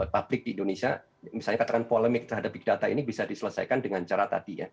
publik di indonesia misalnya katakan polemik terhadap big data ini bisa diselesaikan dengan cara tadi ya